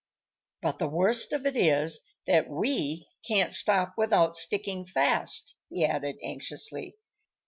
But the worst of it is that we can't stop without sticking fast," he added, anxiously.